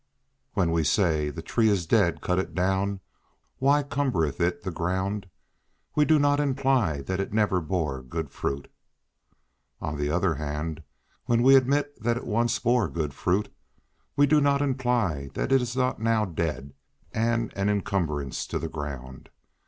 When we say—"The tree is dead; cut it down, why cumbereth it the ground?" we do not imply that it never bore good fruit. On the other hand, when we admit that it once bore good fruit, we do not imply that it is not now dead and an encumbrance to the ground.